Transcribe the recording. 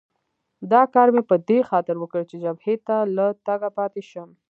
دا کار مې په دې خاطر وکړ چې جبهې ته له تګه پاتې شم.